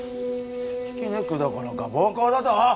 引き抜くどころか暴行だと！？